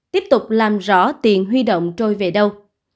tiếp tục làm rõ tiền huy động trôi về đâu